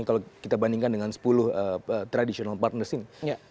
kalau kita bandingkan dengan sepuluh traditional partner sini